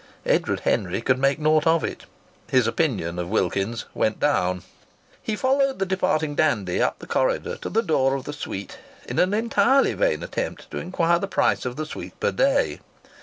Edward Henry could make naught of it. His opinion of Wilkins's went down. He followed the departing dandy up the corridor to the door of the suite in an entirely vain attempt to inquire the price of the suite per day.